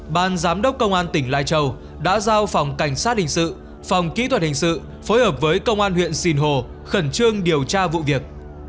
ban giám đốc công an tỉnh lai châu đã giao phòng cảnh sát hình sự phòng kỹ thuật hình sự phối hợp với công an huyện sinh hồ khẩn trương điều tra vụ việc